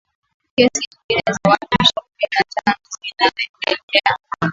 kesi nyingine za watu ishirini na tano zinaendelea